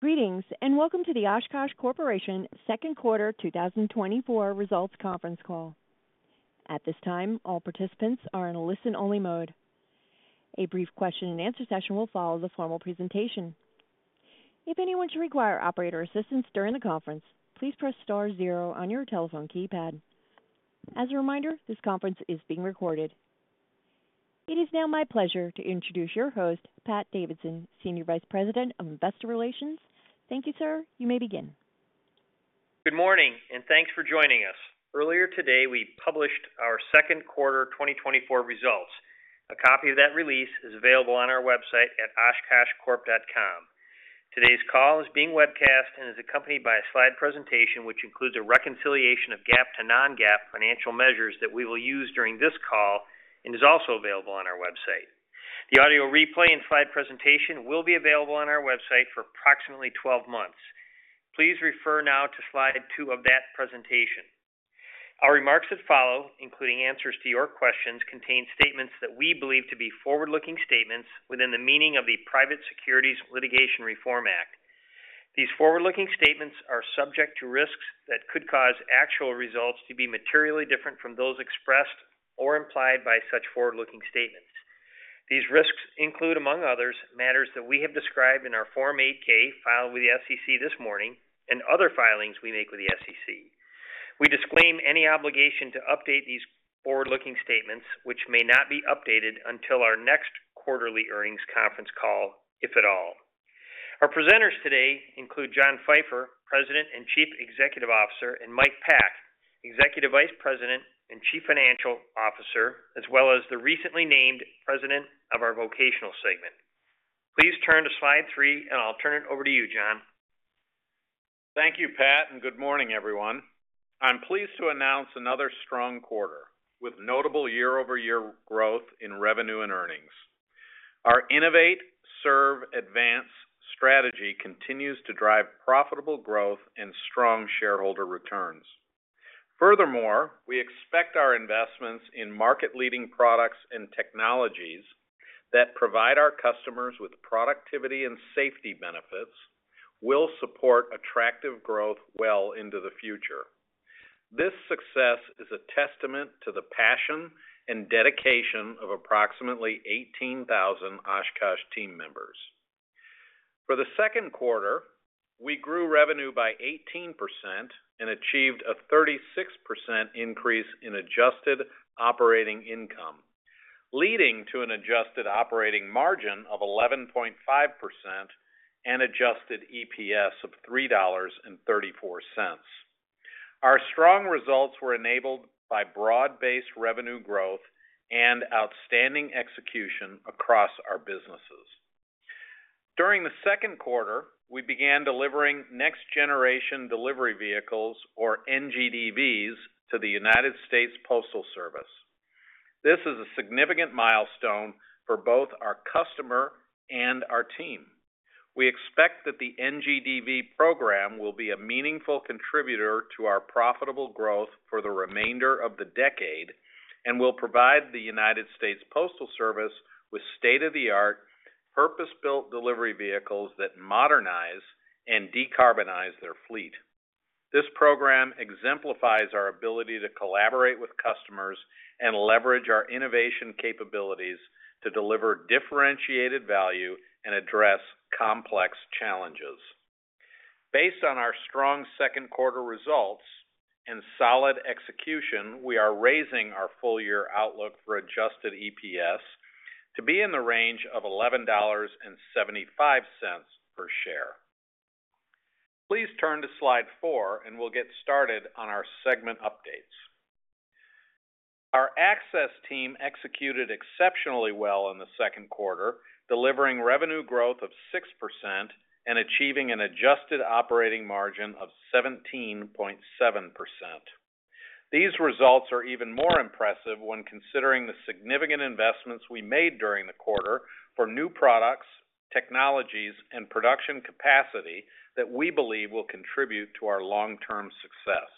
Greetings and welcome to the Oshkosh Corporation Q2 2024 Results Conference Call. At this time, all participants are in a listen-only mode. A brief question-and-answer session will follow the formal presentation. If anyone should require operator assistance during the conference, please press star zero on your telephone keypad. As a reminder, this conference is being recorded. It is now my pleasure to introduce your host, Pat Davidson, Senior Vice President of Investor Relations. Thank you, sir. You may begin. Good morning and thanks for joining us. Earlier today, we published our Q2 2024 results. A copy of that release is available on our website at oshkoshcorp.com. Today's call is being webcast and is accompanied by a slide presentation which includes a reconciliation of GAAP to non-GAAP financial measures that we will use during this call and is also available on our website. The audio replay and slide presentation will be available on our website for approximately 12 months. Please refer now to slide two of that presentation. Our remarks that follow, including answers to your questions, contain statements that we believe to be forward-looking statements within the meaning of the Private Securities Litigation Reform Act. These forward-looking statements are subject to risks that could cause actual results to be materially different from those expressed or implied by such forward-looking statements. These risks include, among others, matters that we have described in our Form 8-K filed with the SEC this morning and other filings we make with the SEC. We disclaim any obligation to update these forward-looking statements, which may not be updated until our next Quarterly Earnings Conference Call, if at all. Our presenters today include John Pfeifer, President and Chief Executive Officer, and Mike Pack, Executive Vice President and Chief Financial Officer, as well as the recently named President of our Vocational segment. Please turn to slide three and I'll turn it over to you, John. Thank you, Pat, and good morning, everyone. I'm pleased to announce another strong quarter with notable year-over-year growth in revenue and earnings. Our Innovate, Serve, Advance strategy continues to drive profitable growth and strong shareholder returns. Furthermore, we expect our investments in market-leading products and technologies that provide our customers with productivity and safety benefits will support attractive growth well into the future. This success is a testament to the passion and dedication of approximately 18,000 Oshkosh team members. For the Q2, we grew revenue by 18% and achieved a 36% increase in adjusted operating income, leading to an adjusted operating margin of 11.5% and adjusted EPS of $3.34. Our strong results were enabled by broad-based revenue growth and outstanding execution across our businesses. During the Q2, we began delivering next-generation delivery vehicles, or NGDVs, to the United States Postal Service. This is a significant milestone for both our customer and our team. We expect that the NGDV program will be a meaningful contributor to our profitable growth for the remainder of the decade and will provide the United States Postal Service with state-of-the-art, purpose-built delivery vehicles that modernize and decarbonize their fleet. This program exemplifies our ability to collaborate with customers and leverage our innovation capabilities to deliver differentiated value and address complex challenges. Based on our strong Q2 results and solid execution, we are raising our full-year outlook for adjusted EPS to be in the range of $11.75 per share. Please turn to slide four and we'll get started on our segment updates. Our access team executed exceptionally well in the Q2, delivering revenue growth of 6% and achieving an adjusted operating margin of 17.7%. These results are even more impressive when considering the significant investments we made during the quarter for new products, technologies, and production capacity that we believe will contribute to our long-term success.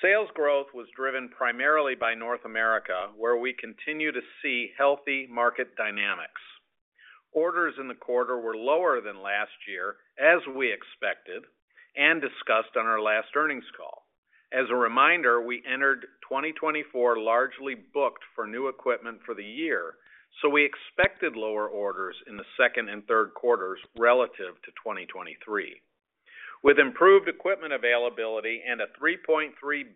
Sales growth was driven primarily by North America, where we continue to see healthy market dynamics. Orders in the quarter were lower than last year, as we expected and discussed on our last earnings call. As a reminder, we entered 2024 largely booked for new equipment for the year, so we expected lower orders in the second and Q3 relative to 2023. With improved equipment availability and a $3.3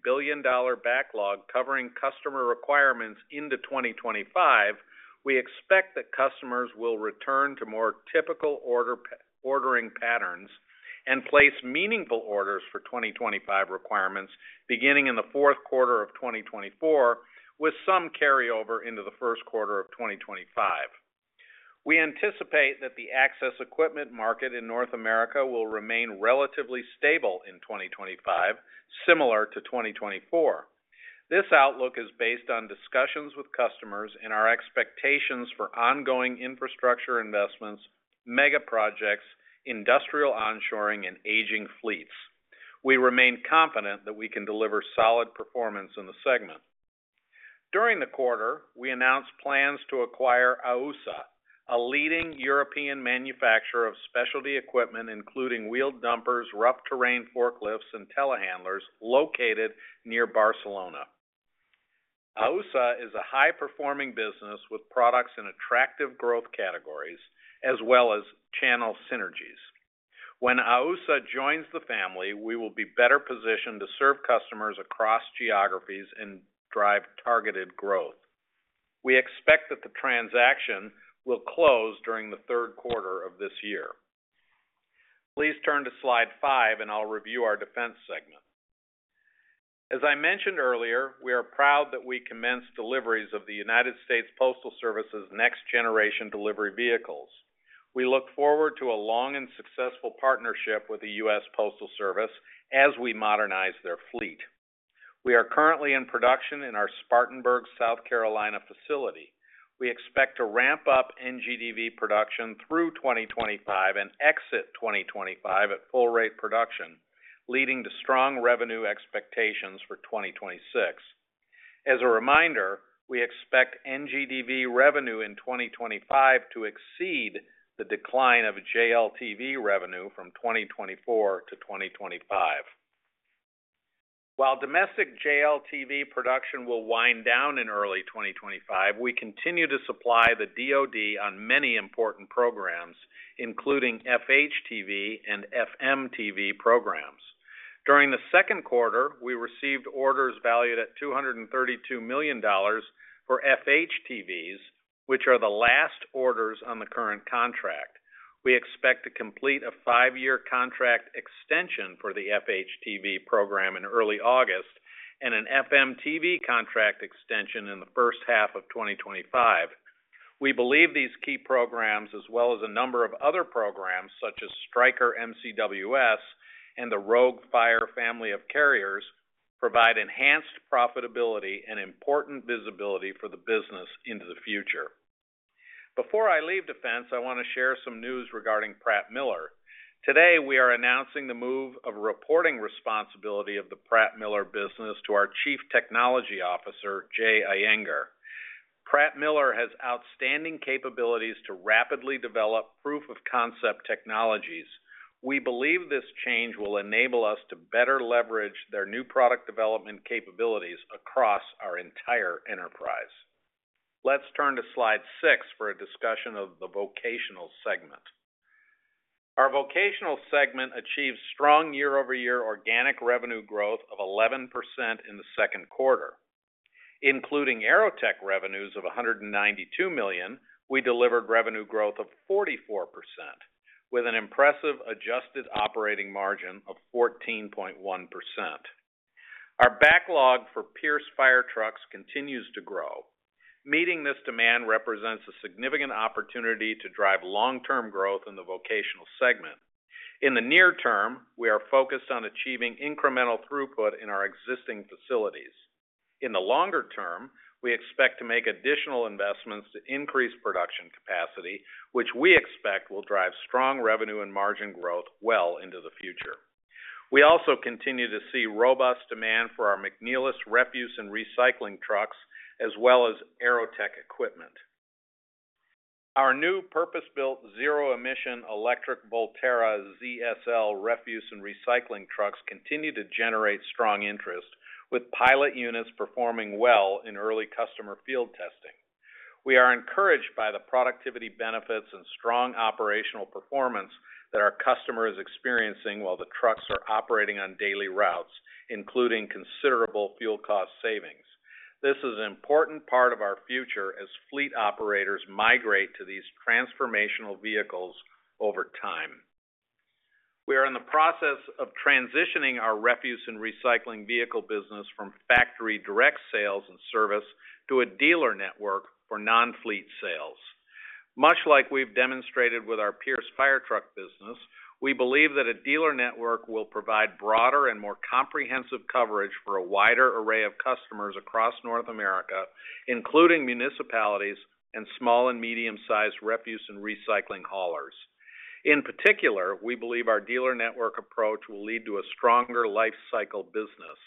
billion backlog covering customer requirements into 2025, we expect that customers will return to more typical ordering patterns and place meaningful orders for 2025 requirements beginning in the Q4 of 2024, with some carryover into the Q1 of 2025. We anticipate that the access equipment market in North America will remain relatively stable in 2025, similar to 2024. This outlook is based on discussions with customers and our expectations for ongoing infrastructure investments, mega projects, industrial onshoring, and aging fleets. We remain confident that we can deliver solid performance in the segment. During the quarter, we announced plans to acquire AUSA, a leading European manufacturer of specialty equipment, including wheeled dumpers, rough terrain forklifts, and telehandlers located near Barcelona. AUSA is a high-performing business with products in attractive growth categories as well as channel synergies. When AUSA joins the family, we will be better positioned to serve customers across geographies and drive targeted growth. We expect that the transaction will close during the Q3 of this year. Please turn to slide five and I'll review our defense segment. As I mentioned earlier, we are proud that we commenced deliveries of the United States Postal Service's next-generation delivery vehicles. We look forward to a long and successful partnership with the U.S. Postal Service as we modernize their fleet. We are currently in production in our Spartanburg, South Carolina facility. We expect to ramp up NGDV production through 2025 and exit 2025 at full rate production, leading to strong revenue expectations for 2026. As a reminder, we expect NGDV revenue in 2025 to exceed the decline of JLTV revenue from 2024 to 2025. While domestic JLTV production will wind down in early 2025, we continue to supply the DOD on many important programs, including FHTV and FMTV programs. During the Q2, we received orders valued at $232 million for FHTVs, which are the last orders on the current contract. We expect to complete a five-year contract extension for the FHTV program in early August and an FMTV contract extension in the H1 of 2025. We believe these key programs, as well as a number of other programs such as Stryker MCWS and the ROGUE-Fires family of carriers, provide enhanced profitability and important visibility for the business into the future. Before I leave defense, I want to share some news regarding Pratt Miller. Today, we are announcing the move of reporting responsibility of the Pratt Miller business to our Chief Technology Officer, Jay Iyengar. Pratt Miller has outstanding capabilities to rapidly develop proof-of-concept technologies. We believe this change will enable us to better leverage their new product development capabilities across our entire enterprise. Let's turn to slide six for a discussion of the Vocational segment. Our Vocational segment achieved strong year-over-year organic revenue growth of 11% in the Q2. Including Aerotech revenues of $192 million, we delivered revenue growth of 44%, with an impressive adjusted operating margin of 14.1%. Our backlog for Pierce fire trucks continues to grow. Meeting this demand represents a significant opportunity to drive long-term growth in the Vocational segment. In the near term, we are focused on achieving incremental throughput in our existing facilities. In the longer term, we expect to make additional investments to increase production capacity, which we expect will drive strong revenue and margin growth well into the future. We also continue to see robust demand for our McNeilus refuse and recycling trucks, as well as Aerotech equipment. Our new purpose-built zero-emission Electric Volterra ZSL refuse and recycling trucks continue to generate strong interest, with pilot units performing well in early customer field testing. We are encouraged by the productivity benefits and strong operational performance that our customer is experiencing while the trucks are operating on daily routes, including considerable fuel cost savings. This is an important part of our future as fleet operators migrate to these transformational vehicles over time. We are in the process of transitioning our refuse and recycling vehicle business from factory direct sales and service to a dealer network for non-fleet sales. Much like we've demonstrated with our Pierce fire truck business, we believe that a dealer network will provide broader and more comprehensive coverage for a wider array of customers across North America, including municipalities and small and medium-sized refuse and recycling haulers. In particular, we believe our dealer network approach will lead to a stronger lifecycle business.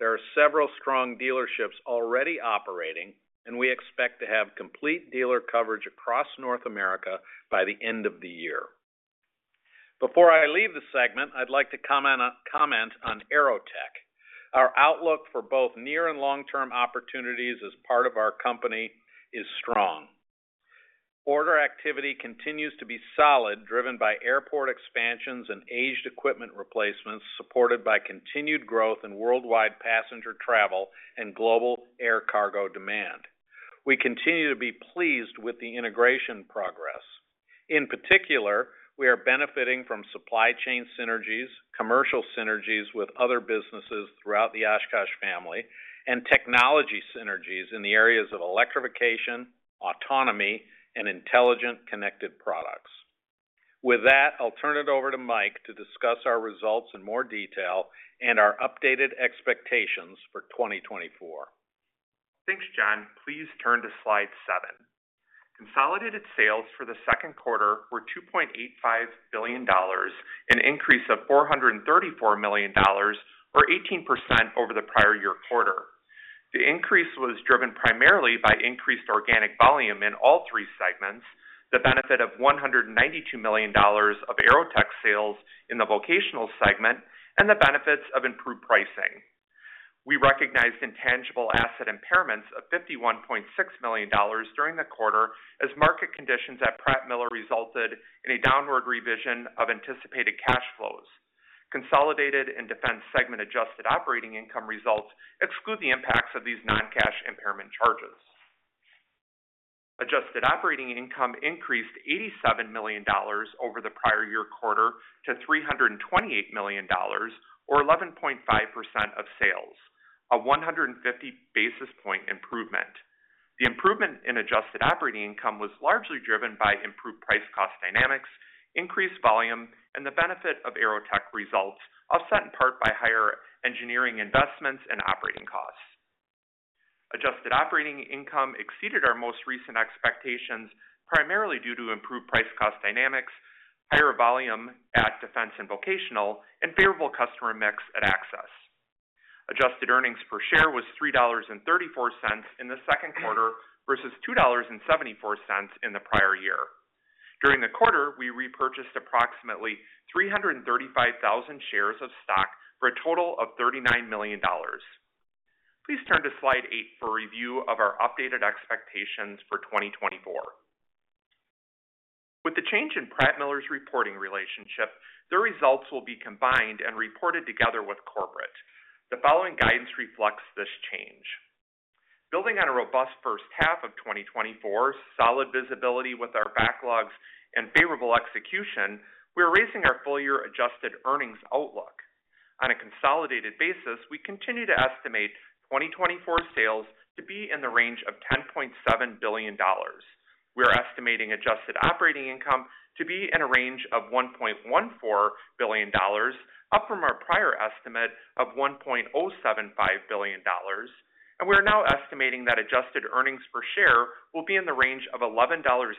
There are several strong dealerships already operating, and we expect to have complete dealer coverage across North America by the end of the year. Before I leave the segment, I'd like to comment on Aerotech. Our outlook for both near and long-term opportunities as part of our company is strong. Order activity continues to be solid, driven by airport expansions and aged equipment replacements supported by continued growth in worldwide passenger travel and global air cargo demand. We continue to be pleased with the integration progress. In particular, we are benefiting from supply chain synergies, commercial synergies with other businesses throughout the Oshkosh family, and technology synergies in the areas of electrification, autonomy, and intelligent connected products. With that, I'll turn it over to Mike to discuss our results in more detail and our updated expectations for 2024. Thanks, John. Please turn to slide seven. Consolidated sales for the Q2 were $2.85 billion, an increase of $434 million, or 18% over the prior year quarter. The increase was driven primarily by increased organic volume in all three segments, the benefit of $192 million of AeroTech sales in the Vocational segment, and the benefits of improved pricing. We recognized intangible asset impairments of $51.6 million during the quarter as market conditions at Pratt Miller resulted in a downward revision of anticipated cash flows. Consolidated and defense segment adjusted operating income results exclude the impacts of these non-cash impairment charges. Adjusted operating income increased $87 million over the prior year quarter to $328 million, or 11.5% of sales, a 150 basis point improvement. The improvement in adjusted operating income was largely driven by improved price-cost dynamics, increased volume, and the benefit of Aerotech results, offset in part by higher engineering investments and operating costs. Adjusted operating income exceeded our most recent expectations, primarily due to improved price-cost dynamics, higher volume at defense and vocational, and favorable customer mix at access. Adjusted earnings per share was $3.34 in the Q2 versus $2.74 in the prior year. During the quarter, we repurchased approximately 335,000 shares of stock for a total of $39 million. Please turn to slide eight for a review of our updated expectations for 2024. With the change in Pratt Miller's reporting relationship, the results will be combined and reported together with corporate. The following guidance reflects this change. Building on a robust H1 of 2024, solid visibility with our backlogs, and favorable execution, we are raising our full-year adjusted earnings outlook. On a consolidated basis, we continue to estimate 2024 sales to be in the range of $10.7 billion. We are estimating adjusted operating income to be in a range of $1.14 billion, up from our prior estimate of $1.075 billion, and we are now estimating that adjusted earnings per share will be in the range of $11.75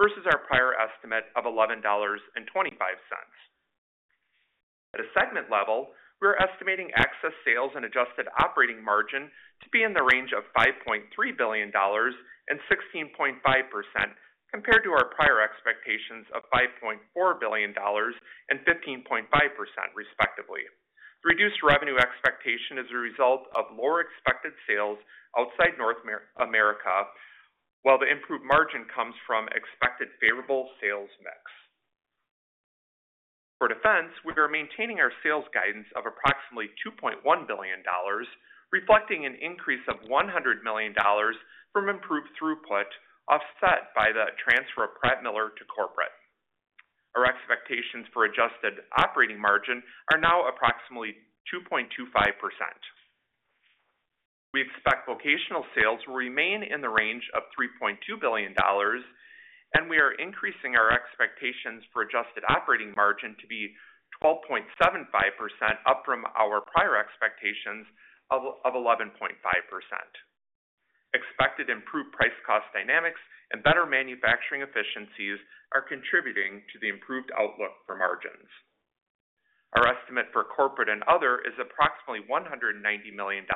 versus our prior estimate of $11.25. At a segment level, we are estimating Access sales and adjusted operating margin to be in the range of $5.3 billion and 16.5% compared to our prior expectations of $5.4 billion and 15.5%, respectively. The reduced revenue expectation is a result of lower expected sales outside North America, while the improved margin comes from expected favorable sales mix. For defense, we are maintaining our sales guidance of approximately $2.1 billion, reflecting an increase of $100 million from improved throughput offset by the transfer of Pratt Miller to corporate. Our expectations for adjusted operating margin are now approximately 2.25%. We expect vocational sales will remain in the range of $3.2 billion, and we are increasing our expectations for adjusted operating margin to be 12.75%, up from our prior expectations of 11.5%. Expected improved price-cost dynamics and better manufacturing efficiencies are contributing to the improved outlook for margins. Our estimate for corporate and other is approximately $190 million,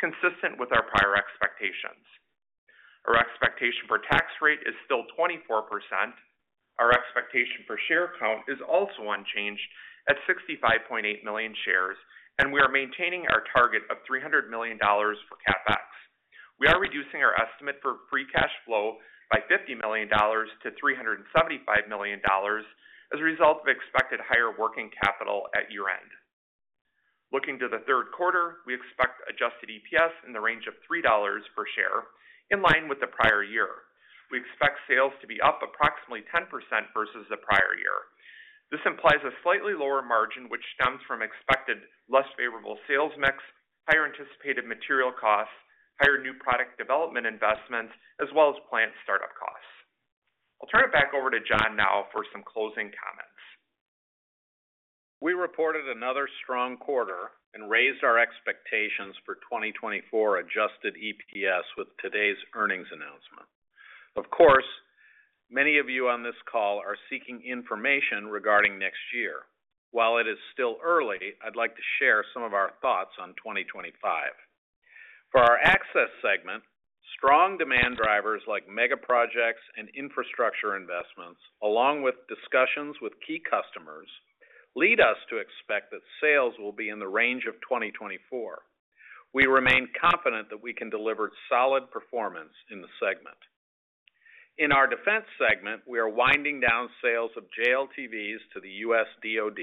consistent with our prior expectations. Our expectation for tax rate is still 24%. Our expectation for share count is also unchanged at 65.8 million shares, and we are maintaining our target of $300 million for CapEx. We are reducing our estimate for free cash flow by $50 million to $375 million as a result of expected higher working capital at year-end. Looking to the Q3, we expect adjusted EPS in the range of $3 per share, in line with the prior year. We expect sales to be up approximately 10% versus the prior year. This implies a slightly lower margin, which stems from expected less favorable sales mix, higher anticipated material costs, higher new product development investments, as well as plant startup costs. I'll turn it back over to John now for some closing comments. We reported another strong quarter and raised our expectations for 2024 adjusted EPS with today's earnings announcement. Of course, many of you on this call are seeking information regarding next year. While it is still early, I'd like to share some of our thoughts on 2025. For our access segment, strong demand drivers like mega projects and infrastructure investments, along with discussions with key customers, lead us to expect that sales will be in the range of 2024. We remain confident that we can deliver solid performance in the segment. In our defense segment, we are winding down sales of JLTVs to the U.S. DoD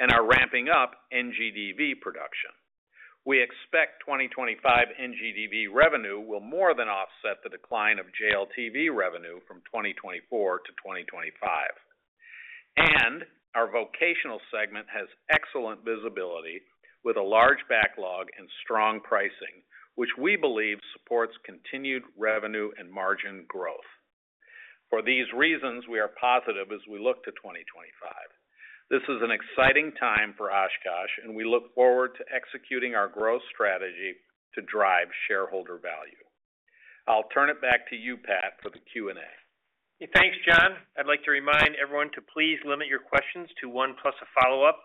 and are ramping up NGDV production. We expect 2025 NGDV revenue will more than offset the decline of JLTV revenue from 2024 to 2025. Our Vocational segment has excellent visibility with a large backlog and strong pricing, which we believe supports continued revenue and margin growth. For these reasons, we are positive as we look to 2025. This is an exciting time for Oshkosh, and we look forward to executing our growth strategy to drive shareholder value. I'll turn it back to you, Pat, for the Q&A. Thanks, John. I'd like to remind everyone to please limit your questions to one plus a follow-up.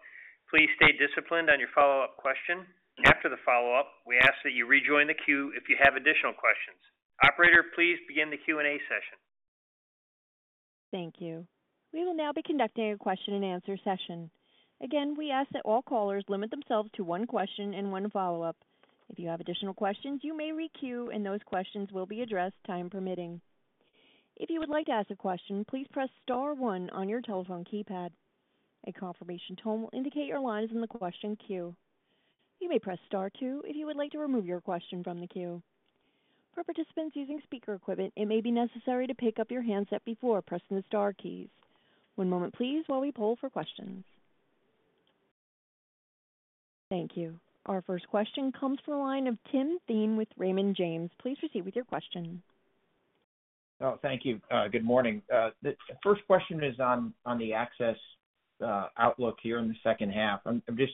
Please stay disciplined on your follow-up question. After the follow-up, we ask that you rejoin the queue if you have additional questions. Operator, please begin the Q&A session. Thank you. We will now be conducting a question-and-answer session. Again, we ask that all callers limit themselves to one question and one follow-up. If you have additional questions, you may re-queue, and those questions will be addressed time permitting. If you would like to ask a question, please press star one on your telephone keypad. A confirmation tone will indicate your line is in the question queue. You may press star two if you would like to remove your question from the queue. For participants using speaker equipment, it may be necessary to pick up your handset before pressing the star keys. One moment, please, while we pull for questions. Thank you. Our first question comes from a line of Tim Thein with Raymond James. Please proceed with your question. Oh, thank you. Good morning. The first question is on the access outlook here in the H2. I'm just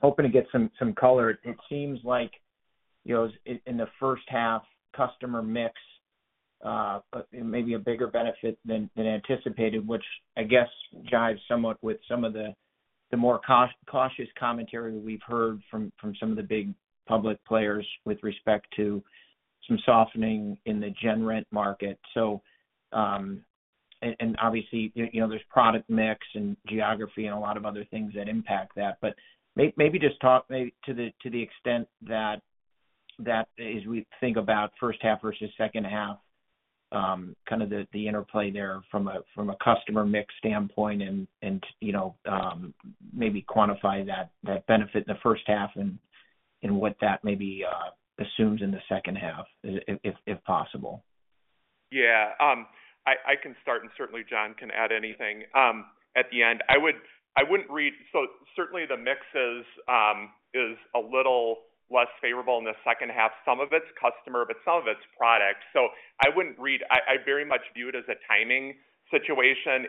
hoping to get some color. It seems like in the H1, customer mix may be a bigger benefit than anticipated, which I guess jives somewhat with some of the more cautious commentary we've heard from some of the big public players with respect to some softening in the gen rent market. And obviously, there's product mix and geography and a lot of other things that impact that. But maybe just talk to the extent that as we think about first half versus H2, kind of the interplay there from a customer mix standpoint and maybe quantify that benefit in the first half and what that maybe assumes in the H2, if possible. Yeah. I can start, and certainly, John can add anything at the end. I wouldn't read so certainly, the mix is a little less favorable in the second half. Some of it's customer, but some of it's product. So I wouldn't read I very much view it as a timing situation.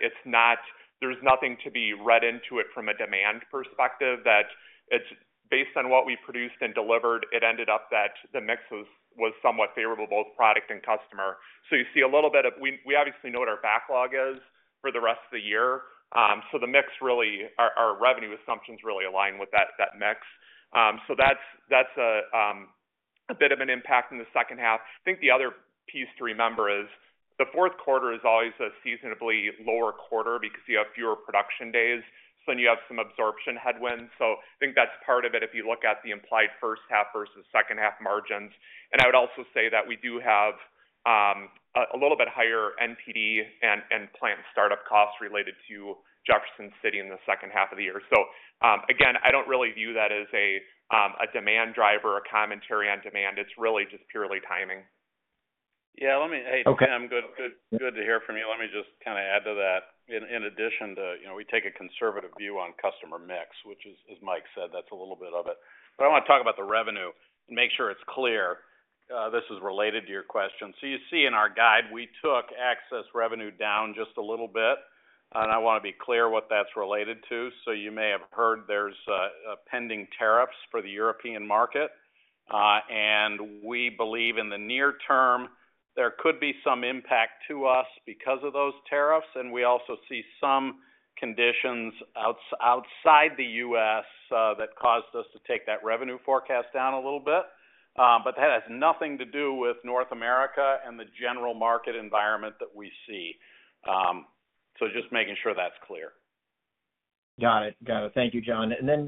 There's nothing to be read into it from a demand perspective that it's based on what we produced and delivered. It ended up that the mix was somewhat favorable, both product and customer. So you see a little bit of we obviously know what our backlog is for the rest of the year. So the mix really our revenue assumptions really align with that mix. So that's a bit of an impact in the second half. I think the other piece to remember is the Q4 is always a seasonally lower quarter because you have fewer production days. So then you have some absorption headwinds. So I think that's part of it if you look at the implied first half versus second half margins. And I would also say that we do have a little bit higher NPD and plant startup costs related to Jefferson City in the H2 of the year. So again, I don't really view that as a demand driver or commentary on demand. It's really just purely timing. Yeah. I'm good to hear from you. Let me just kind of add to that. In addition to we take a conservative view on customer mix, which, as Mike said, that's a little bit of it. But I want to talk about the revenue and make sure it's clear. This is related to your question. So you see in our guide, we took access revenue down just a little bit. And I want to be clear what that's related to. So you may have heard there's pending tariffs for the European market. And we believe in the near term, there could be some impact to us because of those tariffs. And we also see some conditions outside the U.S. that caused us to take that revenue forecast down a little bit. But that has nothing to do with North America and the general market environment that we see. Just making sure that's clear. Got it. Got it. Thank you, John. And then,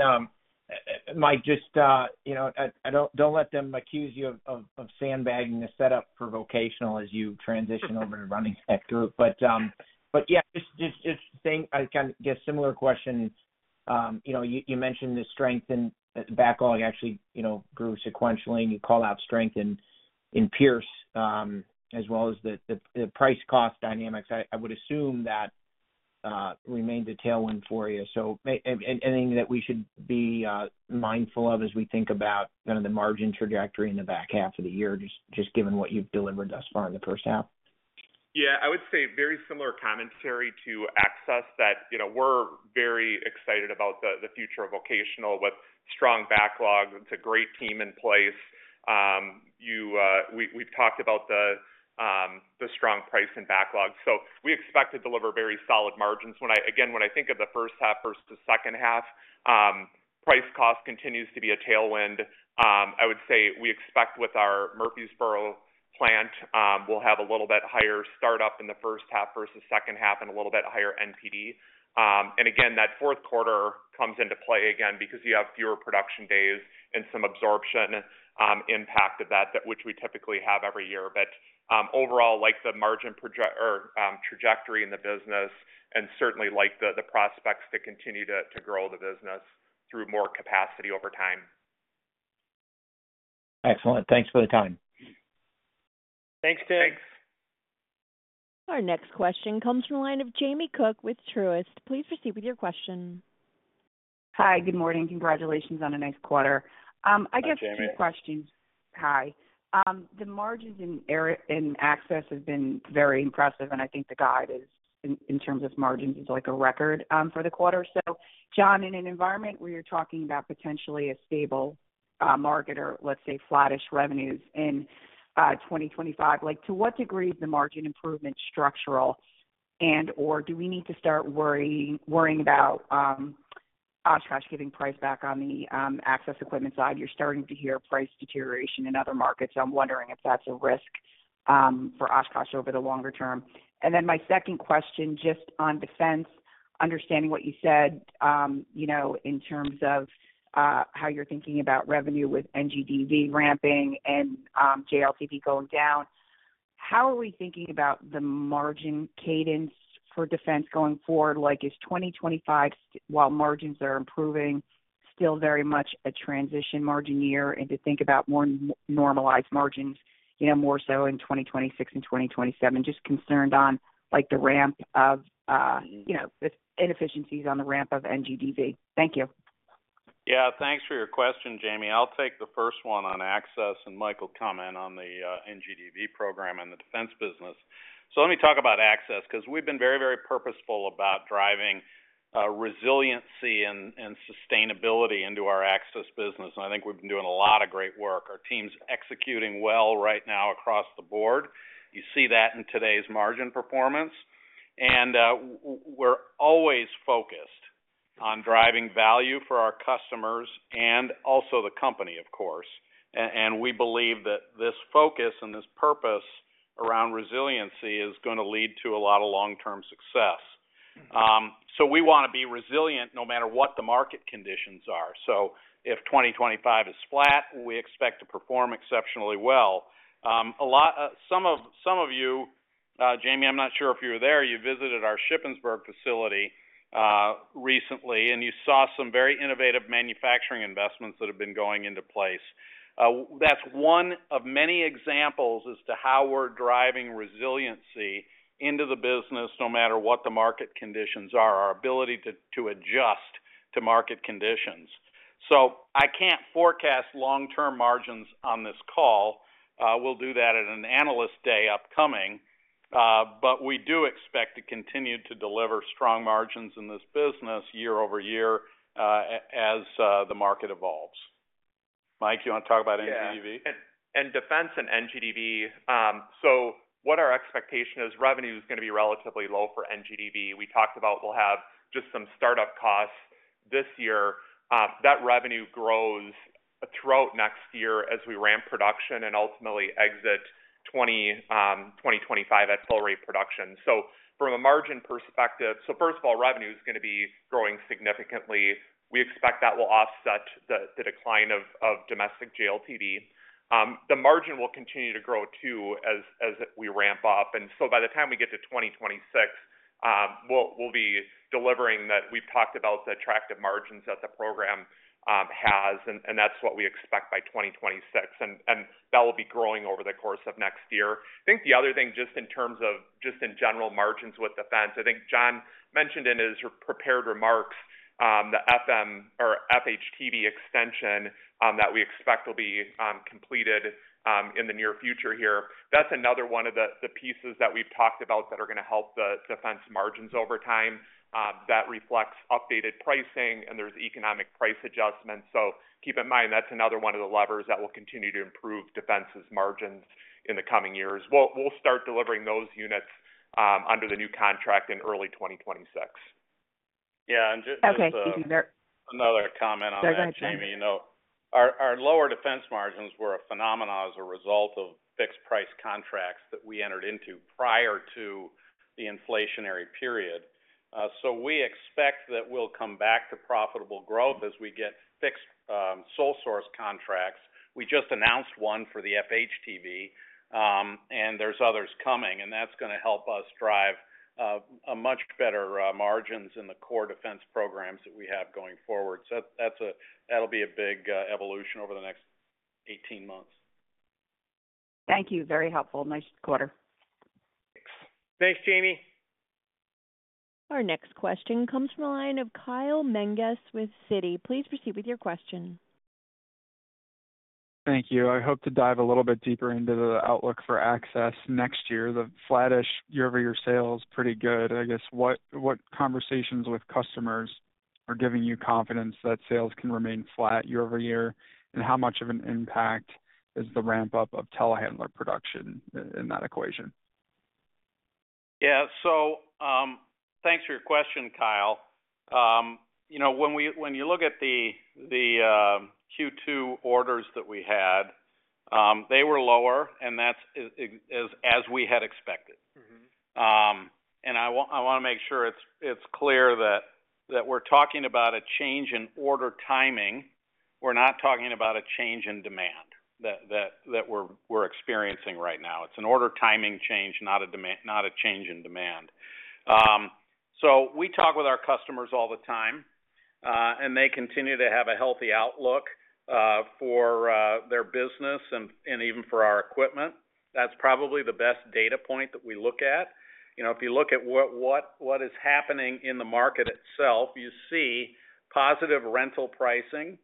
Mike, just don't let them accuse you of sandbagging the setup for vocational as you transition over to running that group. But yeah, just saying I kind of get a similar question. You mentioned the strength and backlog actually grew sequentially. You call out strength in Pierce as well as the price-cost dynamics. I would assume that remained a tailwind for you. So anything that we should be mindful of as we think about kind of the margin trajectory in the back half of the year, just given what you've delivered thus far in the first half? Yeah. I would say very similar commentary to access that we're very excited about the future of vocational with strong backlog. It's a great team in place. We've talked about the strong price and backlog. So we expect to deliver very solid margins. Again, when I think of the H1 versus the H2, price-cost continues to be a tailwind. I would say we expect with our Murfreesboro Plant, we'll have a little bit higher startup in the H1 versus H2 and a little bit higher NPD. And again, that Q4 comes into play again because you have fewer production days and some absorption impact of that, which we typically have every year. But overall, like the margin trajectory in the business and certainly like the prospects to continue to grow the business through more capacity over time. Excellent. Thanks for the time. Thanks, Tim. Thanks. Our next question comes from a line of Jamie Cook with Truist. Please proceed with your question. Hi. Good morning. Congratulations on a nice quarter. I guess two questions. Hi. Hi. The margins in access have been very impressive. And I think the guide is, in terms of margins, like a record for the quarter. So John, in an environment where you're talking about potentially a stable market or, let's say, flattish revenues in 2025, to what degree is the margin improvement structural? And/or do we need to start worrying about Oshkosh giving price back on the access equipment side? You're starting to hear price deterioration in other markets. I'm wondering if that's a risk for Oshkosh over the longer term. And then my second question, just on defense, understanding what you said in terms of how you're thinking about revenue with NGDV ramping and JLTV going down, how are we thinking about the margin cadence for defense going forward? Is 2025, while margins are improving, still very much a transition margin year and to think about more normalized margins more so in 2026 and 2027? Just concerned on the ramp of inefficiencies on the ramp of NGDV. Thank you. Yeah. Thanks for your question, Jamie. I'll take the first one on access and Michael comment on the NGDV program and the defense business. So let me talk about access because we've been very, very purposeful about driving resiliency and sustainability into our access business. I think we've been doing a lot of great work. Our team's executing well right now across the board. You see that in today's margin performance. We're always focused on driving value for our customers and also the company, of course. We believe that this focus and this purpose around resiliency is going to lead to a lot of long-term success. We want to be resilient no matter what the market conditions are. If 2025 is flat, we expect to perform exceptionally well. Some of you, Jamie, I'm not sure if you were there. You visited our Shippensburg facility recently, and you saw some very innovative manufacturing investments that have been going into place. That's one of many examples as to how we're driving resiliency into the business no matter what the market conditions are, our ability to adjust to market conditions. So I can't forecast long-term margins on this call. We'll do that at an analyst day upcoming. But we do expect to continue to deliver strong margins in this business year-over-year as the market evolves. Mike, you want to talk about NGDV? Yeah. And defense and NGDV. So what our expectation is, revenue is going to be relatively low for NGDV. We talked about, we'll have just some startup costs this year. That revenue grows throughout next year as we ramp production and ultimately exit 2025 at full rate production. So from a margin perspective, so first of all, revenue is going to be growing significantly. We expect that will offset the decline of domestic JLTV. The margin will continue to grow too as we ramp up. And so by the time we get to 2026, we'll be delivering that we've talked about the attractive margins that the program has. And that's what we expect by 2026. And that will be growing over the course of next year. I think the other thing, just in terms of just in general margins with defense, I think, John mentioned in his prepared remarks the FMTV or FHTV extension that we expect will be completed in the near future here. That's another one of the pieces that we've talked about that are going to help the defense margins over time. That reflects updated pricing, and there's economic price adjustments. So keep in mind, that's another one of the levers that will continue to improve defense's margins in the coming years. We'll start delivering those units under the new contract in early 2026. Yeah. And just. Okay. Thank you, [Mike]. Another comment on that, Jamie. Our lower defense margins were a phenomenon as a result of fixed price contracts that we entered into prior to the inflationary period. So we expect that we'll come back to profitable growth as we get fixed sole source contracts. We just announced one for the FHTV. And there's others coming. And that's going to help us drive much better margins in the core defense programs that we have going forward. So that'll be a big evolution over the next 18 months. Thank you. Very helpful. Nice quarter. Thanks, Jamie. Our next question comes from a line of Kyle Menges with Citi. Please proceed with your question. Thank you. I hope to dive a little bit deeper into the outlook for access next year. The flattish year-over-year sales is pretty good. I guess, what conversations with customers are giving you confidence that sales can remain flat year-over-year? And how much of an impact is the ramp-up of tele-handler production in that equation? Yeah. So thanks for your question, Kyle. When you look at the Q2 orders that we had, they were lower, and that's as we had expected. And I want to make sure it's clear that we're talking about a change in order timing. We're not talking about a change in demand that we're experiencing right now. It's an order timing change, not a change in demand. So we talk with our customers all the time, and they continue to have a healthy outlook for their business and even for our equipment. That's probably the best data point that we look at. If you look at what is happening in the market itself, you see positive rental pricing.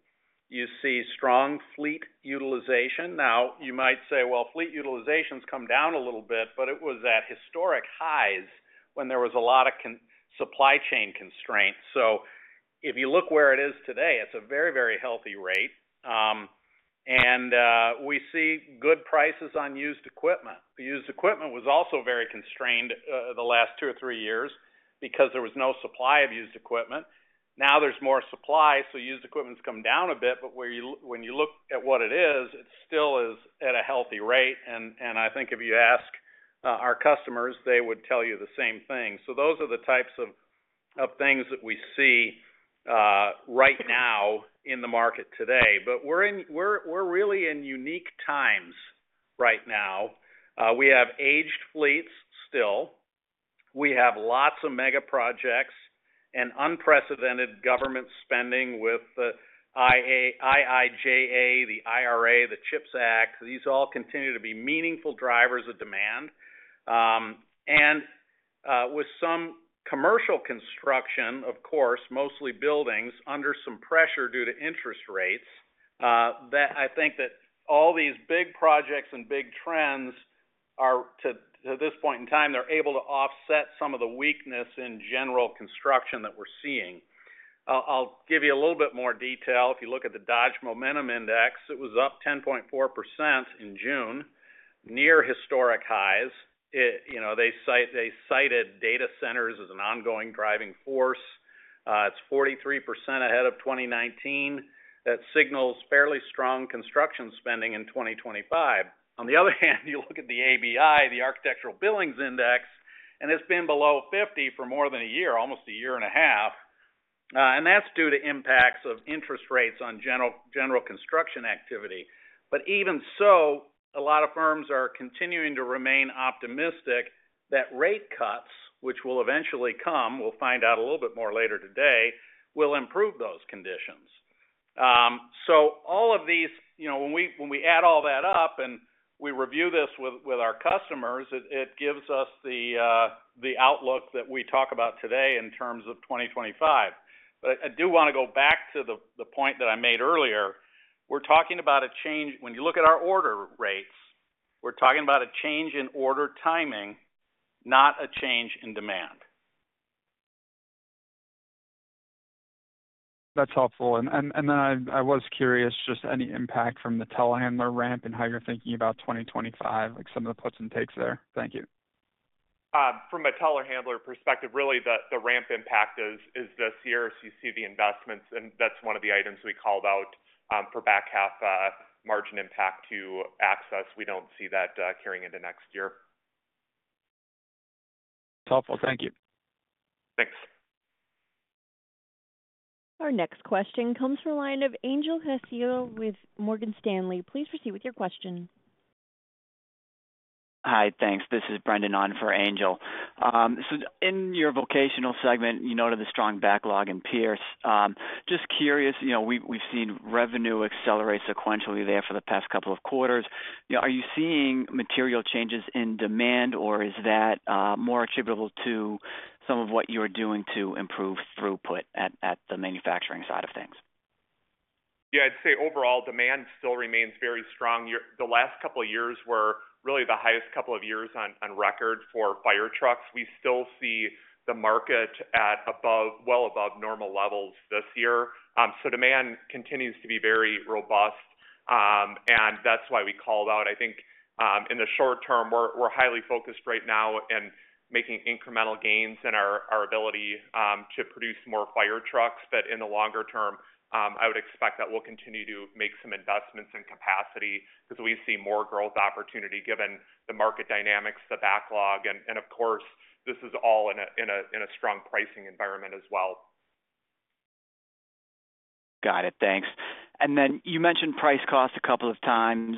You see strong fleet utilization. Now, you might say, "Well, fleet utilization's come down a little bit," but it was at historic highs when there was a lot of supply chain constraints. So if you look where it is today, it's a very, very healthy rate. And we see good prices on used equipment. The used equipment was also very constrained the last two or three years because there was no supply of used equipment. Now there's more supply. So used equipment's come down a bit. But when you look at what it is, it still is at a healthy rate. And I think if you ask our customers, they would tell you the same thing. So those are the types of things that we see right now in the market today. But we're really in unique times right now. We have aged fleets still. We have lots of mega projects and unprecedented government spending with the IIJA, the IRA, the CHIPS Act. These all continue to be meaningful drivers of demand. And with some commercial construction, of course, mostly buildings under some pressure due to interest rates, I think that all these big projects and big trends are, to this point in time, they're able to offset some of the weakness in general construction that we're seeing. I'll give you a little bit more detail. If you look at the Dodge Momentum Index, it was up 10.4% in June, near historic highs. They cited data centers as an ongoing driving force. It's 43% ahead of 2019. That signals fairly strong construction spending in 2025. On the other hand, you look at the ABI, the Architectural Billings Index, and it's been below 50 for more than a year, almost a year and a half. And that's due to impacts of interest rates on general construction activity. But even so, a lot of firms are continuing to remain optimistic that rate cuts, which will eventually come (we'll find out a little bit more later today), will improve those conditions. So all of these, when we add all that up and we review this with our customers, it gives us the outlook that we talk about today in terms of 2025. But I do want to go back to the point that I made earlier. We're talking about a change when you look at our order rates; we're talking about a change in order timing, not a change in demand. That's helpful. And then I was curious just any impact from the tele-handler ramp and how you're thinking about 2025, some of the puts and takes there? Thank you. From a tele-handler perspective, really the ramp impact is this year. So you see the investments. And that's one of the items we called out for back half margin impact to access. We don't see that carrying into next year. That's helpful. Thank you. Thanks. Our next question comes from a line of Angel Castillo with Morgan Stanley. Please proceed with your question. Hi. Thanks. This is Brendan on for Angel. In your vocational segment, you noted the strong backlog in Pierce. Just curious, we've seen revenue accelerate sequentially there for the past couple of quarters. Are you seeing material changes in demand, or is that more attributable to some of what you're doing to improve throughput at the manufacturing side of things? Yeah. I'd say overall demand still remains very strong. The last couple of years were really the highest couple of years on record for fire trucks. We still see the market at well above normal levels this year. So demand continues to be very robust. And that's why we called out. I think in the short term, we're highly focused right now in making incremental gains in our ability to produce more fire trucks. But in the longer term, I would expect that we'll continue to make some investments in capacity because we see more growth opportunity given the market dynamics, the backlog. And of course, this is all in a strong pricing environment as well. Got it. Thanks. And then you mentioned price cost a couple of times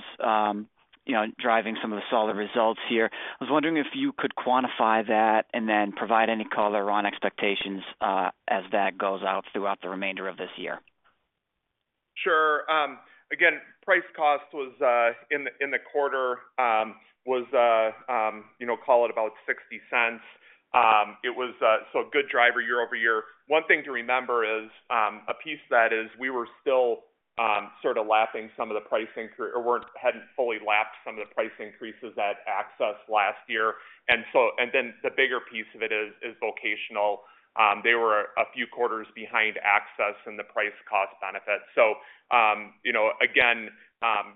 driving some of the solid results here. I was wondering if you could quantify that and then provide any color on expectations as that goes out throughout the remainder of this year. Sure. Again, price cost was in the quarter, call it about $0.60. It was so a good driver year-over-year. One thing to remember is a piece that is we were still sort of lapping some of the price increase or hadn't fully lapped some of the price increases at access last year. And then the bigger piece of it is vocational. They were a few quarters behind access in the price cost benefit. So again,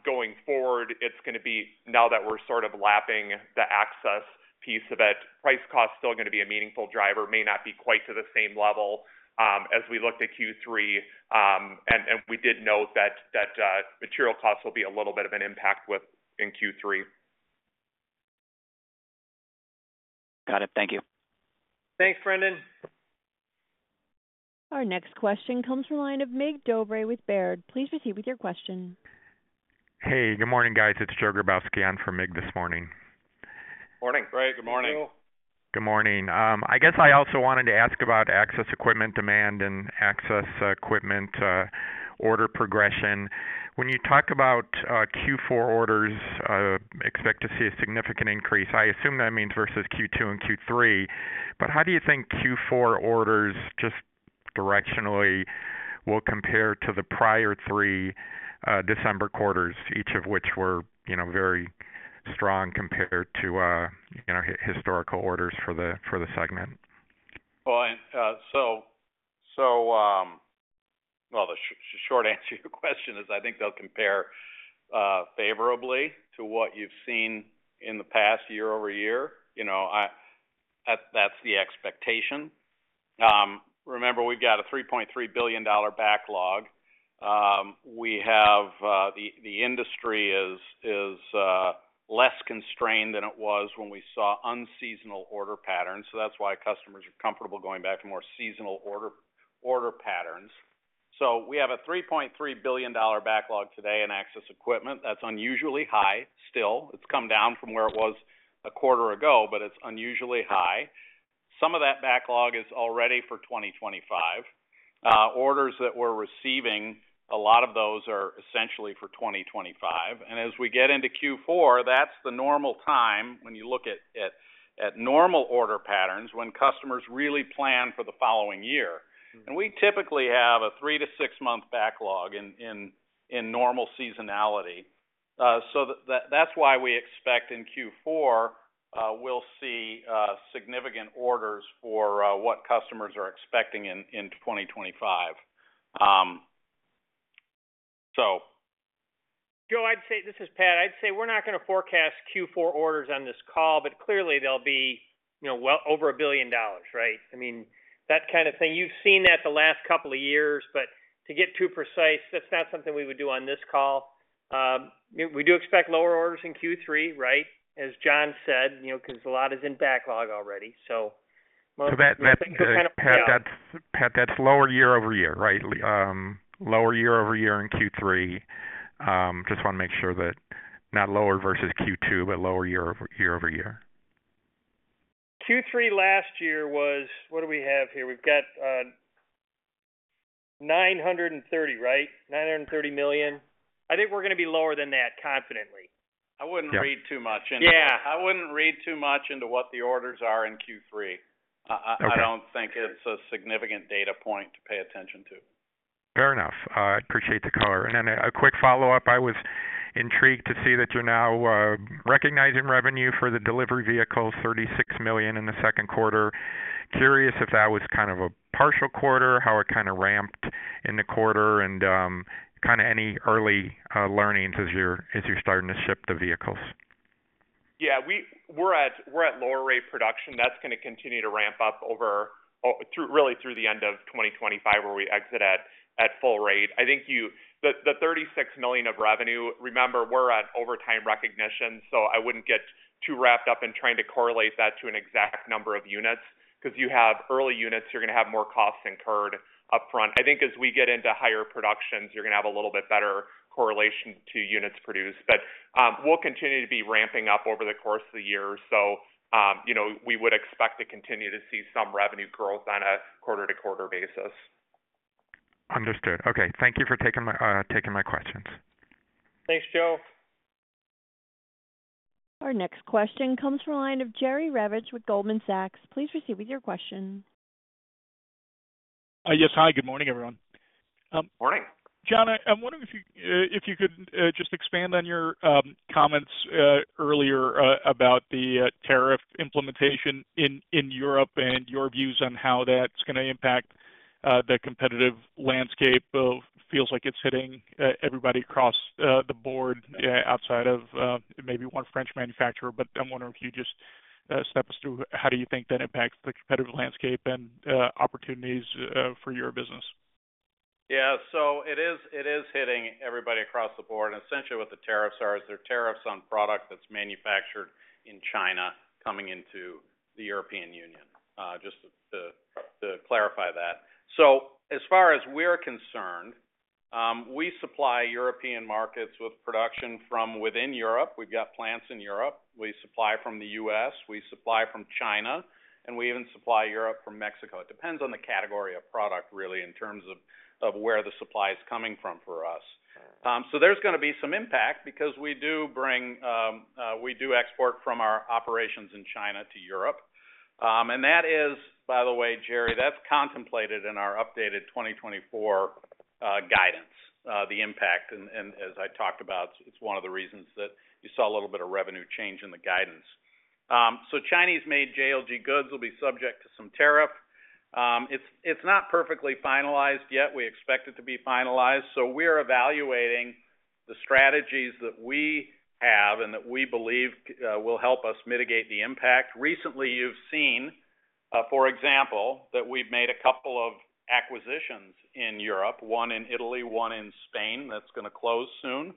going forward, it's going to be now that we're sort of lapping the access piece of it, price cost is still going to be a meaningful driver. May not be quite to the same level as we looked at Q3. And we did note that material costs will be a little bit of an impact in Q3. Got it. Thank you. Thanks, Brendan. Our next question comes from a line of Mircea Dobre with Baird. Please proceed with your question. Hey. Good morning, guys. It's Joe Grabowski for Mircea this morning. Morning. Right. Good morning. Good morning. I guess I also wanted to ask about access equipment demand and access equipment order progression. When you talk about Q4 orders, expect to see a significant increase. I assume that means versus Q2 and Q3. But how do you think Q4 orders just directionally will compare to the prior three December quarters, each of which were very strong compared to historical orders for the segment? Well, so, the short answer to your question is I think they'll compare favorably to what you've seen in the past year-over-year. That's the expectation. Remember, we've got a $3.3 billion backlog. We have the industry is less constrained than it was when we saw unseasonal order patterns. So that's why customers are comfortable going back to more seasonal order patterns. So we have a $3.3 billion backlog today in access equipment. That's unusually high still. It's come down from where it was a quarter ago, but it's unusually high. Some of that backlog is already for 2025. Orders that we're receiving, a lot of those are essentially for 2025. And as we get into Q4, that's the normal time when you look at normal order patterns when customers really plan for the following year. And we typically have a three to six-month backlog in normal seasonality. So that's why we expect in Q4 we'll see significant orders for what customers are expecting in 2025. So, Joe, I'd say this is Pat. I'd say we're not going to forecast Q4 orders on this call, but clearly they'll be well over $1 billion, right? I mean, that kind of thing. You've seen that the last couple of years, but to get too precise, that's not something we would do on this call. We do expect lower orders in Q3, right, as John said, because a lot is in backlog already. So most. Pat, that's lower year-over-year, right? Lower year-over-year in Q3. Just want to make sure that not lower versus Q2, but lower year-over-year. Q3 last year was what do we have here? We've got $930 million, right? I think we're going to be lower than that confidently. I wouldn't read too much into that. Yeah. I wouldn't read too much into what the orders are in Q3. I don't think it's a significant data point to pay attention to. Fair enough. I appreciate the color. And then a quick follow-up. I was intrigued to see that you're now recognizing revenue for the delivery vehicles, $36 million in the Q2. Curious if that was kind of a partial quarter, how it kind of ramped in the quarter, and kind of any early learnings as you're starting to ship the vehicles. Yeah. We're at lower rate production. That's going to continue to ramp up really through the end of 2025 where we exit at full rate. I think the $36 million of revenue, remember, we're at overtime recognition, so I wouldn't get too wrapped up in trying to correlate that to an exact number of units because you have early units, you're going to have more costs incurred upfront. I think as we get into higher productions, you're going to have a little bit better correlation to units produced. But we'll continue to be ramping up over the course of the year. So we would expect to continue to see some revenue growth on a quarter-to-quarter basis. Understood. Okay. Thank you for taking my questions. Thanks, Joe. Our next question comes from a line of Jerry Revich with Goldman Sachs. Please proceed with your question. Yes. Hi. Good morning, everyone. Morning. John, I'm wondering if you could just expand on your comments earlier about the tariff implementation in Europe and your views on how that's going to impact the competitive landscape. It feels like it's hitting everybody across the board outside of maybe one French manufacturer. But I'm wondering if you just step us through how do you think that impacts the competitive landscape and opportunities for your business. Yeah. So it is hitting everybody across the board. And essentially what the tariffs are is they're tariffs on product that's manufactured in China coming into the European Union, just to clarify that. So as far as we're concerned, we supply European markets with production from within Europe. We've got plants in Europe. We supply from the US We supply from China. We supply from Mexico. It depends on the category of product, really, in terms of where the supply is coming from for us. So there's going to be some impact because we do export from our operations in China to Europe. And that is, by the way, Jerry, that's contemplated in our updated 2024 guidance, the impact. And as I talked about, it's one of the reasons that you saw a little bit of revenue change in the guidance. So Chinese-made JLG goods will be subject to some tariff. It's not perfectly finalized yet. We expect it to be finalized. So we're evaluating the strategies that we have and that we believe will help us mitigate the impact. Recently, you've seen, for example, that we've made a couple of acquisitions in Europe, one in Italy, one in Spain. That's going to close soon.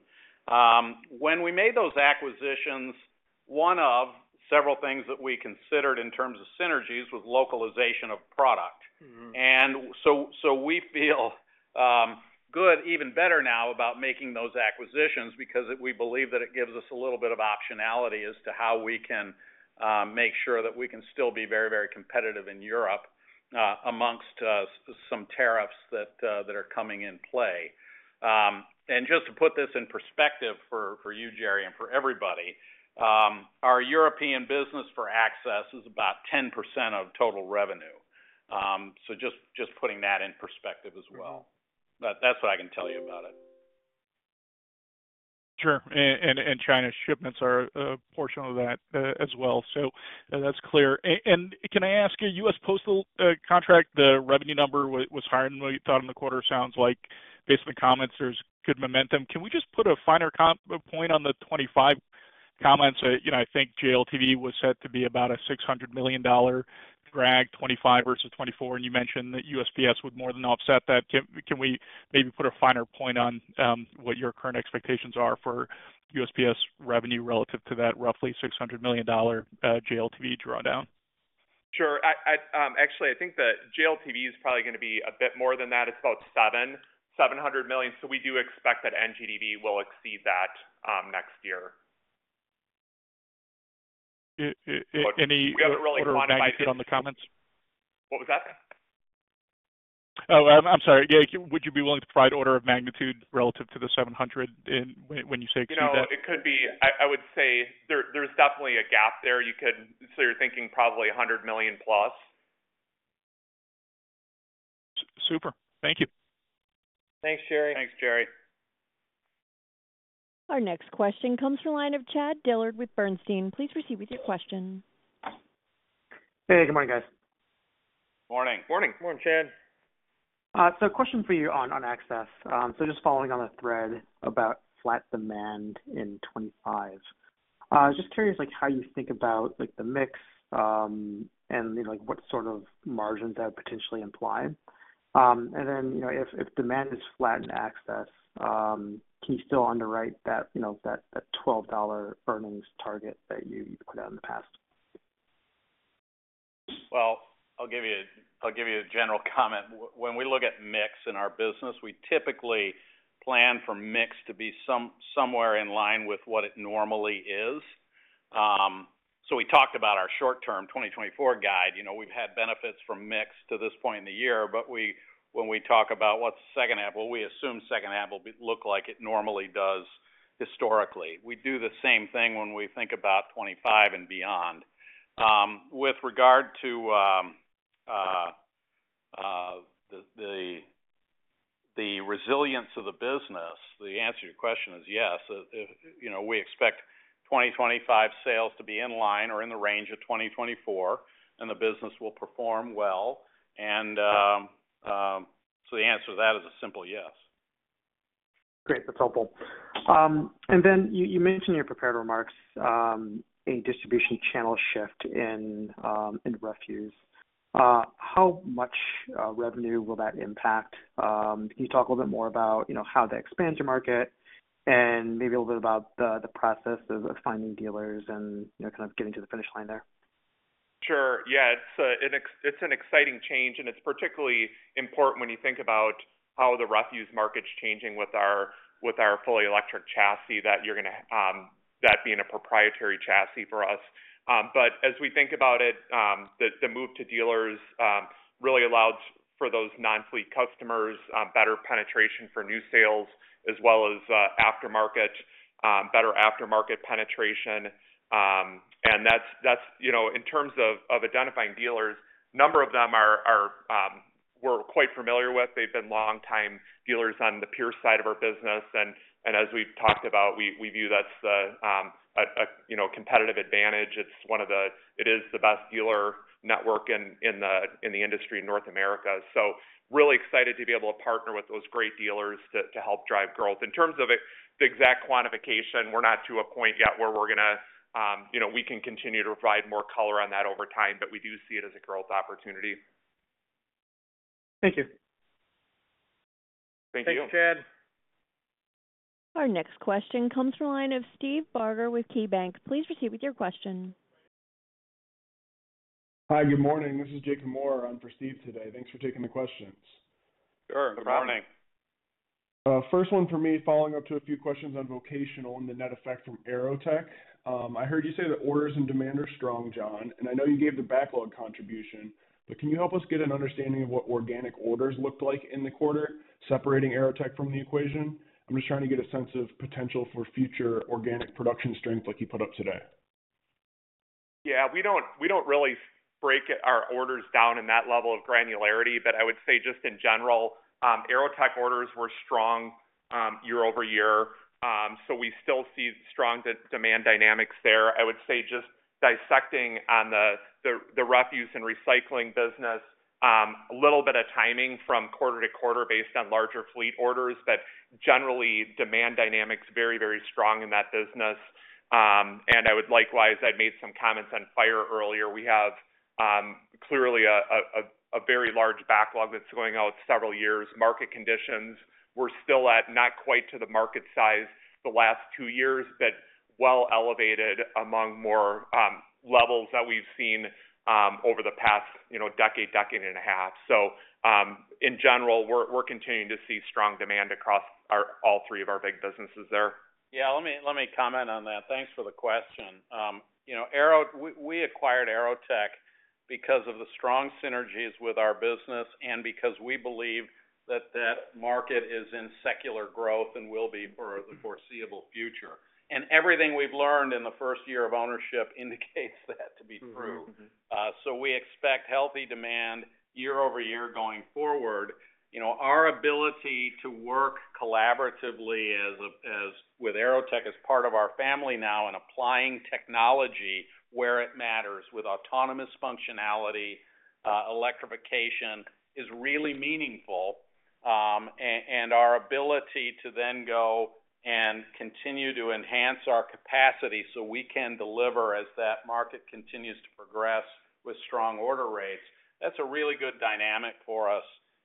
When we made those acquisitions, one of several things that we considered in terms of synergies was localization of product. And so we feel good, even better now about making those acquisitions because we believe that it gives us a little bit of optionality as to how we can make sure that we can still be very, very competitive in Europe among some tariffs that are coming in play. Just to put this in perspective for you, Jerry, and for everybody, our European business for access is about 10% of total revenue. Just putting that in perspective as well. That's what I can tell you about it. Sure. And China's shipments are a portion of that as well. So that's clear. And can I ask you, US Postal contract, the revenue number was higher than what you thought in the quarter, sounds like. Based on the comments, there's good momentum. Can we just put a finer point on the 2025 comments? I think JLTV was set to be about a $600 million drag, 2025 versus 2024. And you mentioned that USPS would more than offset that. Can we maybe put a finer point on what your current expectations are for USPS revenue relative to that roughly $600 million JLTV drawdown? Sure. Actually, I think the JLTV is probably going to be a bit more than that. It's about $700 million. So we do expect that NGDV will exceed that next year. It. We haven't really quantified. Order of magnitude on the comments? What was that? Oh, I'm sorry. Yeah. Would you be willing to provide order of magnitude relative to the 700 when you say exceed that? No. It could be. I would say there's definitely a gap there. So you're thinking probably $100 million plus. Super. Thank you. Thanks, Jerry. Thanks, Jerry. Our next question comes from a line of Chad Dillard with Bernstein. Please proceed with your question. Hey. Good morning, guys. Morning. Morning. Morning, Chad. A question for you on access. Just following on a thread about flat demand in 2025, I was just curious how you think about the mix and what sort of margins that would potentially imply. Then if demand is flat in access, can you still underwrite that $12 earnings target that you put out in the past? Well, I'll give you a general comment. When we look at mix in our business, we typically plan for mix to be somewhere in line with what it normally is. So we talked about our short-term 2024 guide. We've had benefits from mix to this point in the year. But when we talk about what's second half, well, we assume second half will look like it normally does historically. We do the same thing when we think about 2025 and beyond. With regard to the resilience of the business, the answer to your question is yes. We expect 2025 sales to be in line or in the range of 2024, and the business will perform well. And so the answer to that is a simple yes. Great. That's helpful. Then you mentioned in your prepared remarks a distribution channel shift in refuse. How much revenue will that impact? Can you talk a little bit more about how to expand your market and maybe a little bit about the process of finding dealers and kind of getting to the finish line there? Sure. Yeah. It's an exciting change. And it's particularly important when you think about how the refuse market's changing with our fully electric chassis, that you're going to that being a proprietary chassis for us. But as we think about it, the move to dealers really allowed for those non-fleet customers better penetration for new sales as well as aftermarket, better aftermarket penetration. And that's in terms of identifying dealers, a number of them we're quite familiar with. They've been longtime dealers on the Pierce side of our business. And as we've talked about, we view that's a competitive advantage. It's one of the it is the best dealer network in the industry in North America. So really excited to be able to partner with those great dealers to help drive growth. In terms of the exact quantification, we're not to a point yet where we're going to, we can continue to provide more color on that over time, but we do see it as a growth opportunity. Thank you. Thank you. Thanks, Chad. Our next question comes from a line of Steve Barger with KeyBanc. Please proceed with your question. Hi. Good morning. This is Jacob Moore. I'm for Steve today. Thanks for taking the questions. Sure. Good morning. First one for me, following up to a few questions on vocational and the net effect from Aerotech. I heard you say that orders and demand are strong, John. And I know you gave the backlog contribution, but can you help us get an understanding of what organic orders looked like in the quarter, separating Aerotech from the equation? I'm just trying to get a sense of potential for future organic production strength like you put up today. Yeah. We don't really break our orders down in that level of granularity, but I would say just in general, Aerotech orders were strong year-over-year. So we still see strong demand dynamics there. I would say just dissecting on the refuse and recycling business, a little bit of timing from quarter-to-quarter based on larger fleet orders, but generally demand dynamics very, very strong in that business. And I would likewise, I'd made some comments on fire earlier. We have clearly a very large backlog that's going out several years. Market conditions, we're still at not quite to the market size the last two years, but well elevated among more levels that we've seen over the past decade, decade and a half. So in general, we're continuing to see strong demand across all three of our big businesses there. Yeah. Let me comment on that. Thanks for the question. We acquired Aerotech because of the strong synergies with our business and because we believe that that market is in secular growth and will be for the foreseeable future. Everything we've learned in the first year of ownership indicates that to be true. We expect healthy demand year over year going forward. Our ability to work collaboratively with Aerotech as part of our family now and applying technology where it matters with autonomous functionality, electrification is really meaningful. Our ability to then go and continue to enhance our capacity so we can deliver as that market continues to progress with strong order rates, that's a really good dynamic for us.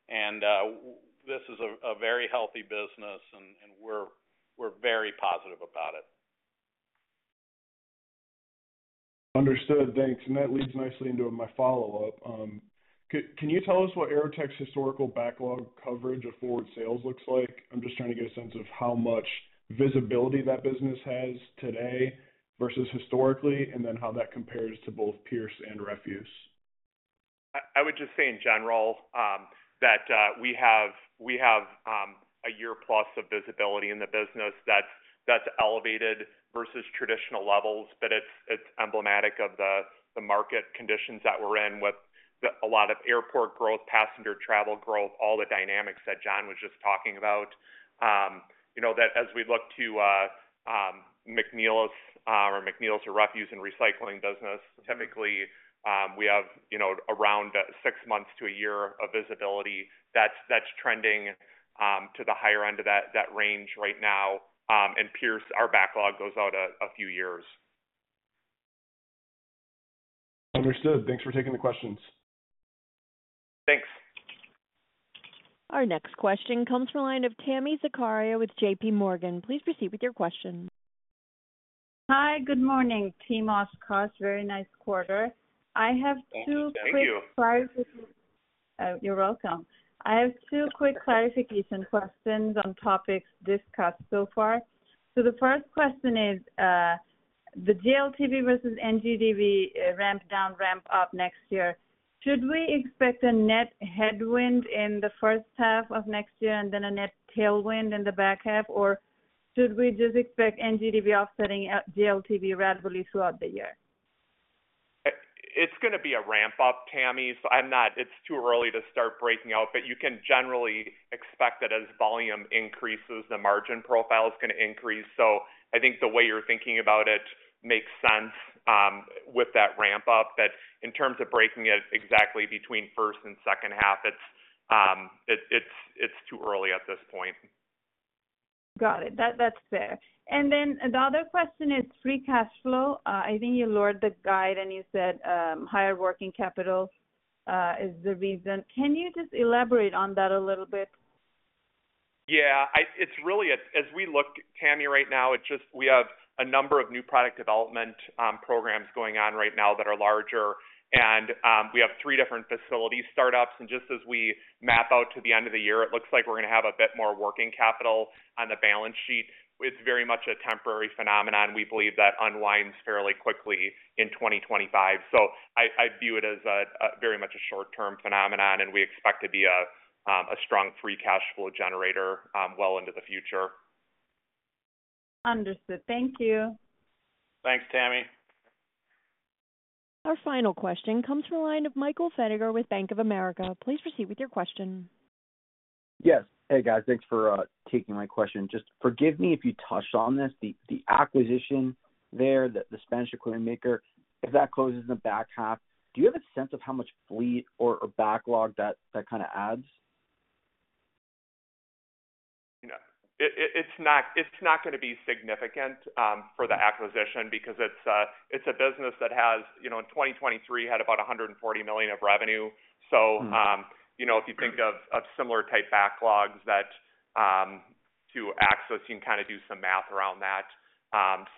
This is a very healthy business, and we're very positive about it. Understood. Thanks. And that leads nicely into my follow-up. Can you tell us what Aerotech's historical backlog coverage of forward sales looks like? I'm just trying to get a sense of how much visibility that business has today versus historically, and then how that compares to both Fuse and Refuse. I would just say in general that we have a year-plus of visibility in the business that's elevated versus traditional levels, but it's emblematic of the market conditions that we're in with a lot of airport growth, passenger travel growth, all the dynamics that John was just talking about. As we look to McNeilus or McNeilus or Refuse and Recycling business, typically we have around six months to a year of visibility. That's trending to the higher end of that range right now. And Pierce, our backlog goes out a few years. Understood. Thanks for taking the questions. Thanks. Our next question comes from a line of Tami Zakaria with JPMorgan. Please proceed with your question. Hi. Good morning. Team Oshkosh, very nice quarter. I have two. Thank you. Quick clarification. You're welcome. I have two quick clarification questions on topics discussed so far. So the first question is the JLTV versus NGDV ramp down, ramp up next year. Should we expect a net headwind in the H1 of next year and then a net tailwind in the back half, or should we just expect NGDV offsetting JLTV practically throughout the year? It's going to be a ramp up, Tami. It's too early to start breaking out, but you can generally expect that as volume increases, the margin profile is going to increase. So I think the way you're thinking about it makes sense with that ramp up. But in terms of breaking it exactly between H1 and H2, it's too early at this point. Got it. That's fair. Then another question is free cash flow. I think you lowered the guide and you said higher working capital is the reason. Can you just elaborate on that a little bit? Yeah. As we look, Tami, right now, we have a number of new product development programs going on right now that are larger. We have three different facility startups. Just as we map out to the end of the year, it looks like we're going to have a bit more working capital on the balance sheet. It's very much a temporary phenomenon. We believe that unwinds fairly quickly in 2025. So I view it as very much a short-term phenomenon, and we expect to be a strong free cash flow generator well into the future. Understood. Thank you. Thanks, Tami. Our final question comes from a line of Michael Feniger with Bank of America. Please proceed with your question. Yes. Hey, guys. Thanks for taking my question. Just forgive me if you touched on this. The acquisition there, the Spanish equipment maker, if that closes in the back half, do you have a sense of how much fleet or backlog that kind of adds? It's not going to be significant for the acquisition because it's a business that has in 2023 had about $140 million of revenue. So if you think of similar type backlogs to access, you can kind of do some math around that.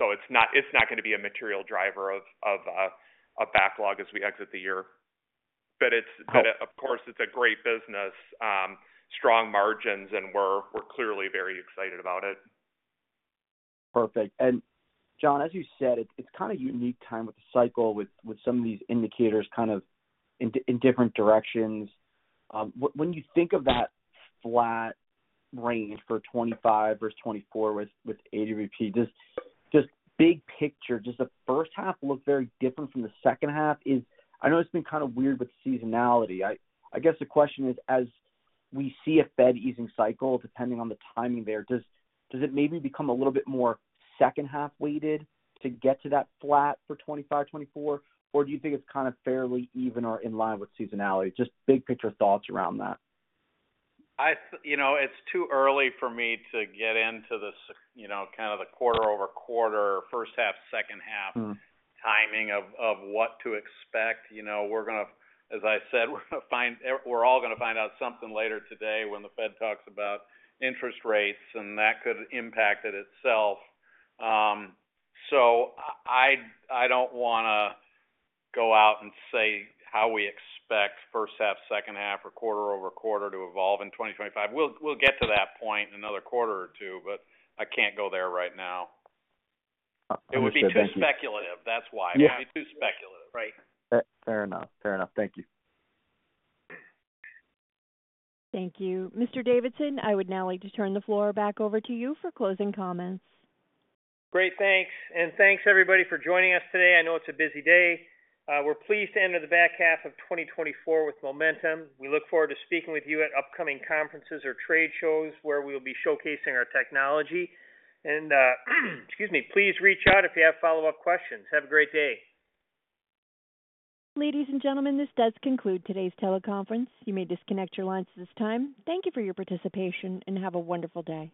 So it's not going to be a material driver of a backlog as we exit the year. But of course, it's a great business, strong margins, and we're clearly very excited about it. Perfect. John, as you said, it's kind of unique time with the cycle, with some of these indicators kind of in different directions. When you think of that flat range for 2025 versus 2024 with AWP, just big picture, does the first half look very different from the second half? I know it's been kind of weird with seasonality. I guess the question is, as we see a Fed easing cycle, depending on the timing there, does it maybe become a little bit more second half weighted to get to that flat for 2025, 2024, or do you think it's kind of fairly even or in line with seasonality? Just big picture thoughts around that. It's too early for me to get into the kind of the quarter over quarter, first half, second half timing of what to expect. We're going to, as I said, we're all going to find out something later today when the Fed talks about interest rates, and that could impact it itself. So I don't want to go out and say how we expect H1, H2, or quarter-over-quarter to evolve in 2025. We'll get to that point in another quarter or two, but I can't go there right now. It would be too speculative. That's why. It would be too speculative. Fair enough. Fair enough. Thank you. Thank you. Mr Davidson, I would now like to turn the floor back over to you for closing comments. Great. Thanks. And thanks, everybody, for joining us today. I know it's a busy day. We're pleased to enter the back half of 2024 with momentum. We look forward to speaking with you at upcoming conferences or trade shows where we will be showcasing our technology. And excuse me, please reach out if you have follow-up questions. Have a great day. Ladies and gentlemen, this does conclude today's teleconference. You may disconnect your lines at this time. Thank you for your participation and have a wonderful day.